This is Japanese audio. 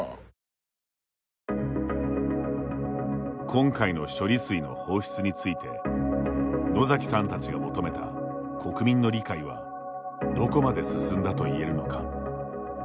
今回の処理水の放出について野崎さんたちが求めた国民の理解はどこまで進んだといえるのか。